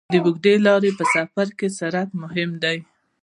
د اوږدې لارې په سفر کې سرعت مهم دی.